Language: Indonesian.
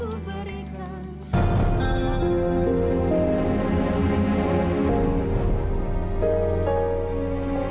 aku berikan sendirian